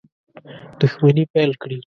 دښمني پیل کړي.